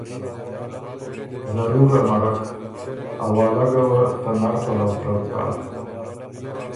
ضرور امرک، اوالګه وه ته نر پَلؤ ترپ داک۔